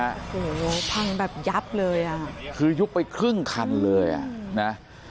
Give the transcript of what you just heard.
โอ้โหพังแบบยับเลยอ่ะคือยุบไปครึ่งคันเลยอ่ะนะ